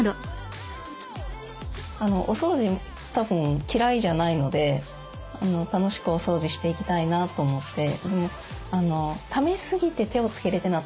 お掃除たぶん嫌いじゃないので楽しくお掃除していきたいなと思って。